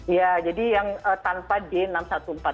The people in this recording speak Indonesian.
ya jadi yang tanpa d enam ratus empat belas